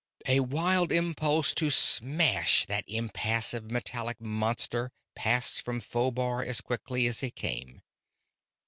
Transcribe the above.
A wild impulse to smash that impassive, metallic monster passed from Phobar as quickly as it came.